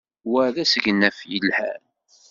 Wa d asegnaf yelhan.